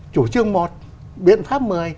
chủ trương một biện pháp một mươi